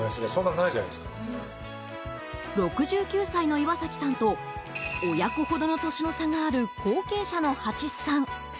６９歳の岩崎さんと親子ほどの年の差がある後継者の八須さん。